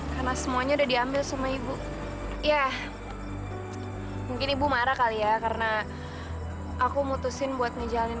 karena semuanya udah diambil sama ibu ya mungkin ibu marah kali ya karena aku mutusin buat ngejalanin